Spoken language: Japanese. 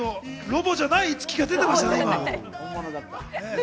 ロボじゃない五木が出てましたね。